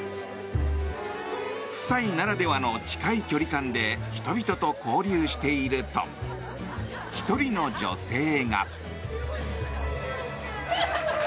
夫妻ならではの近い距離感で人々と交流していると１人の女性が。